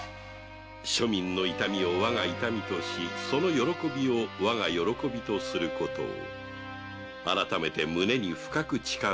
庶民の痛みを我が痛みとしその喜びを我が喜びとすることを改めて胸に深く誓う吉宗であった